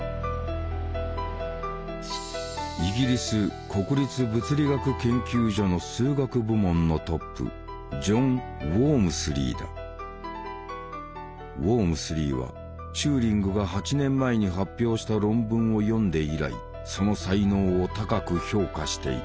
イギリス国立物理学研究所の数学部門のトップウォームスリーはチューリングが８年前に発表した論文を読んで以来その才能を高く評価していた。